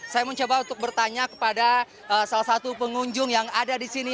saya mencoba untuk bertanya kepada salah satu pengunjung yang ada di sini